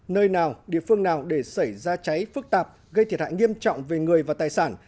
nơi nào địa phương nào để xảy ra cháy phức tạp gây thiệt hại nghiêm trọng về người và tài sản